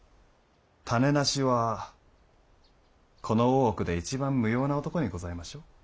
種無しはこの大奥で一番無用な男にございましょう？